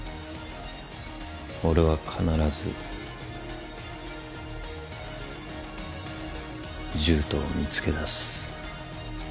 俺は必ずジュートを見つけ出す